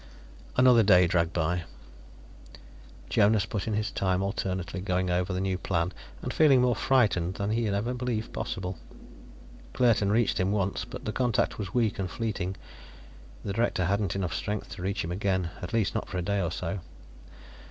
Another day dragged by. Jonas put in his time alternately going over the new plan and feeling more frightened than he had ever believed possible. Claerten reached him once, but the contact was weak and fleeting; the director hadn't enough strength to reach him again, at least not for a day or so.